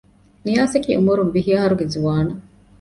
ނިޔާސަކީ އުމުރުން ވިހި އަހަރުގެ ޒުވާނެއް